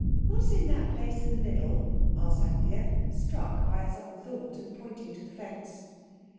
"What's in that place in the middle?" asked Anthea, struck by a sudden thought, and pointing to the fence.